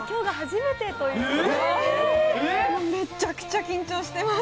めちゃくちゃ緊張しています